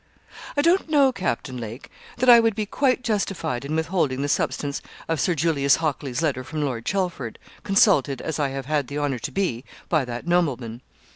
'I don't know, Captain Lake, that I would be quite justified in withholding the substance of Sir Julius Hockley's letter from Lord Chelford, consulted, as I have had the honour to be, by that nobleman.